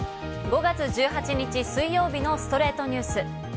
５月１８日、水曜日の『ストレイトニュース』。